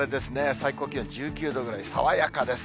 最高気温１９度ぐらい、爽やかです。